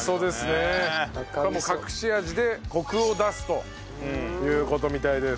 これはもう隠し味でコクを出すという事みたいです。